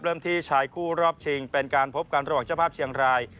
ที่ชายคู่รอบชิงเป็นการพบกันระหว่างเจ้าภาพเชียงราย